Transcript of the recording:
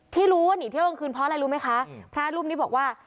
ที่รู้ว่าหนีเที่ยวกลางคืนเพราะอะไรรู้ไหมคะพระรูปนี้บอกว่า